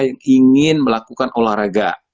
yang ingin melakukan olahraga